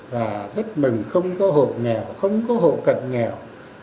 và rất mừng không có hộ nghèo không có hộ cận nghèo